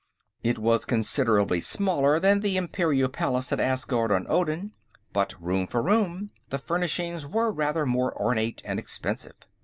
It was considerably smaller than the Imperial Palace at Asgard on Odin, but room for room the furnishings were rather more ornate and expensive.